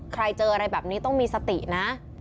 เจออะไรแบบนี้ต้องมีสตินะ